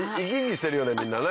みんなね。